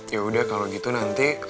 yaudah kalau gitu nanti